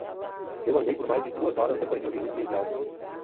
Eu andei por mais de duas horas depois de ouvir o guia de áudio.